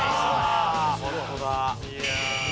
本当だ！